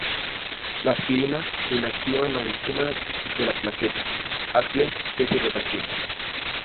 La aspirina inactiva la enzima de las plaquetas, acción que es irreversible.